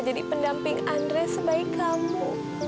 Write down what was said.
jadi pendamping andre sebagai kamu